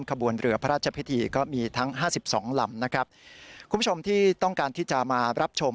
ขบวนเรือพระราชพิธีก็มีทั้งห้าสิบสองลำนะครับคุณผู้ชมที่ต้องการที่จะมารับชม